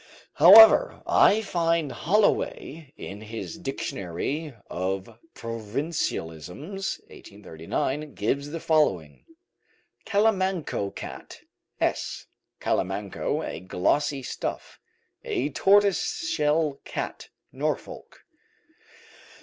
However, I find Holloway, in his "Dictionary of Provincialisms" (1839), gives the following: "Calimanco Cat, s. (calimanco, a glossy stuff), a tortoiseshell cat, Norfolk."